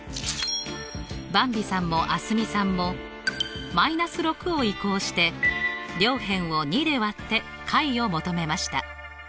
ばんびさんも蒼澄さんも−６を移項して両辺を２で割って解を求めました。